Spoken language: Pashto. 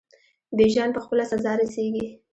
بیژن په خپله سزا رسیږي.